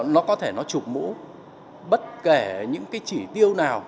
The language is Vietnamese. nó có thể nó chụp mũ bất kể những cái chỉ tiêu nào